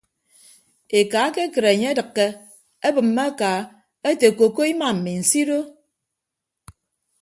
Eka ekekịt enye edịkke ebịmme aka ete koko ima mi nsido.